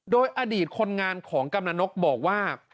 โดยอดีตคนงานของกำลังนกบอกว่า